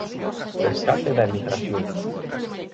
Rescate da emigración.